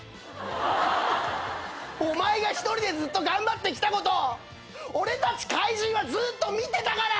お前が１人でずっと頑張ってきたこと俺たち怪人はずっと見てたから！